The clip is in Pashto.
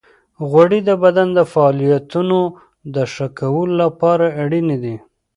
غوړې د بدن د فعالیتونو د ښه کولو لپاره اړینې دي.